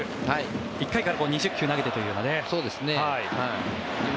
１回から２０球投げてというようなね。